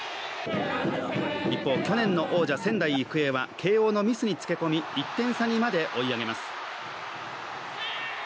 一方、去年の王者・仙台育英は慶応のミスにつけ込み１点差にまで追い上げます。